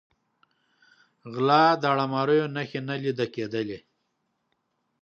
غلا، داړه ماریو نښې نه لیده کېدلې.